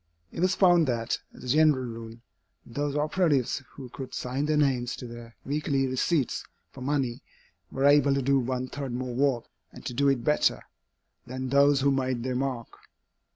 It was found that, as a general rule, those operatives who could sign their names to their weekly receipts for money, were able to do one third more work, and to do it better, than those who made their mark.